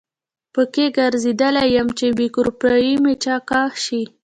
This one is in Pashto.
په کې ګرځیدلی یم چې بیوګرافي مې چاقه شي.